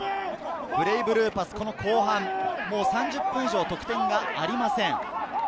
ブレイブルーパス、後半３０分以上、得点がありません。